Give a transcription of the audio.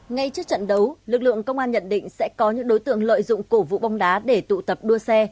ngay trước trận đấu lực lượng công an nhận định sẽ có những đối tượng lợi dụng cổ vũ bóng đá để tụ tập đua xe